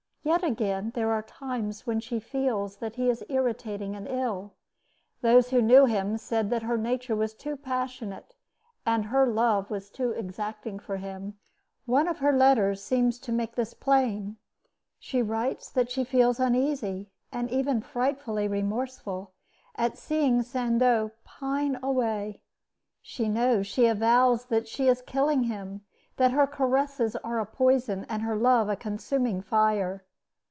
Yet, again, there are times when she feels that he is irritating and ill. Those who knew them said that her nature was too passionate and her love was too exacting for him. One of her letters seems to make this plain. She writes that she feels uneasy, and even frightfully remorseful, at seeing Sandeau "pine away." She knows, she avows, that she is killing him, that her caresses are a poison, and her love a consuming fire.